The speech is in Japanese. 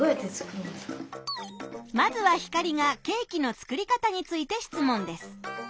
まずはヒカリがケーキの作り方について質問です。